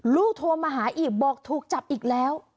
โทรมาหาอีกบอกถูกจับอีกแล้ว